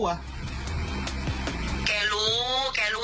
สวัสดีครับทุกคน